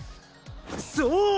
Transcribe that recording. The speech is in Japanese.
そう！